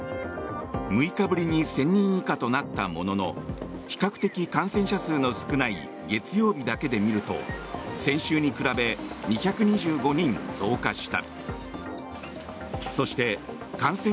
６日ぶりに１０００人以下となったものの比較的、感染者数の少ない月曜日だけで見ると先週に比べ２２５人増加した。